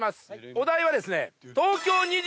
お題はですね。